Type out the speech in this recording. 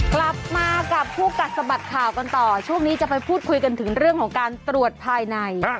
กลับมากับคู่กัดสะบัดข่าวกันต่อช่วงนี้จะไปพูดคุยกันถึงเรื่องของการตรวจภายใน